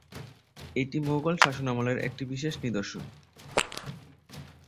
এটি মোগল শাসনামলের একটি বিশেষ নিদর্শন।